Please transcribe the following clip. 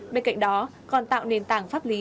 bên cạnh đó còn tạo nền tảng pháp lý